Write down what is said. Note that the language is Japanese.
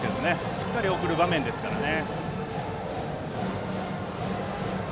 しっかり送る場面ですからね。